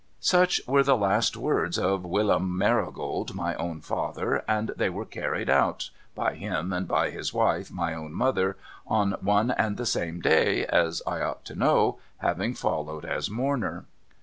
' Such were the last words of Willum JNIarigold, my own father, and they were carried out, by him and by his wife, my own mother, on one and the same day, as I ought to know, having followed as mourner.